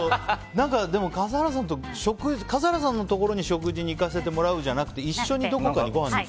笠原さんのところに食事に行かせてもらうじゃなくて一緒にどこかにごはんに行く？